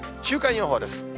週間予報です。